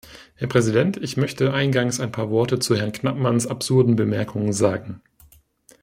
Herr Präsident! Ich möchte eingangs ein paar Worte zu Herrn Knapmans absurden Bemerkungen sagen.